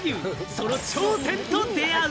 その頂点と出会う。